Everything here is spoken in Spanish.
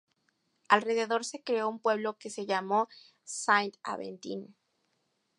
Alrededor se creó un pueblo que se llamó Saint-Aventin.